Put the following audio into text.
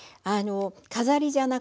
飾りじゃなくてね